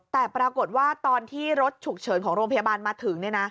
แต่ปรากฏว่าตอนที่รถฉุกเฉินของโรงพยาบาลมาถึง